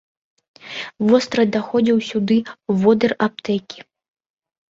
Востра даходзіў сюды водыр аптэкі.